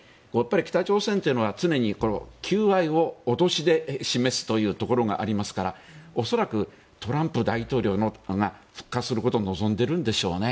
北朝鮮というのは常に求愛を脅しで示すというところがありますから恐らくトランプ大統領が復活することを望んでるんでしょうね。